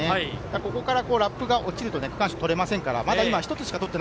ここからラップが落ちると区間賞が取れませんから。